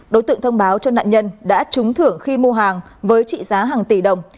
đối tượng thông báo cho nạn nhân đã trúng thưởng khi mua hàng với trị giá hàng tỷ đồng